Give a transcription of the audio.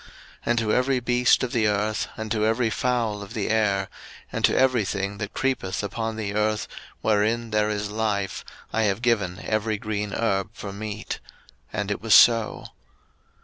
01:001:030 And to every beast of the earth, and to every fowl of the air, and to every thing that creepeth upon the earth, wherein there is life, I have given every green herb for meat: and it was so.